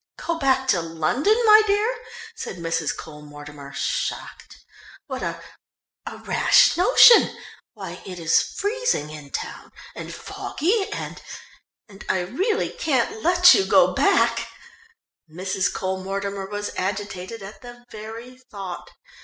"Go back to London, my dear?" said Mrs. Cole Mortimer, shocked. "What a a rash notion! Why it is freezing in town and foggy and ... and I really can't let you go back!" Mrs. Cole Mortimer was agitated at the very thought.